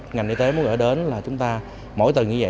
ngành y tế muốn gửi đến là chúng ta mỗi tuần như vậy